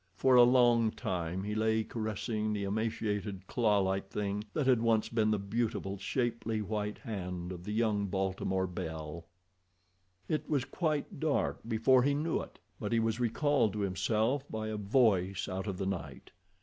For a long time he lay caressing the emaciated, clawlike thing that had once been the beautiful, shapely white hand of the young Baltimore belle. It was quite dark before he knew it, but he was recalled to himself by a voice out of the night.